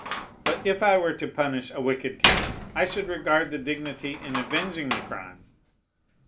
But if I were to punish a wicked king, I should regard the dignity in avenging the crime.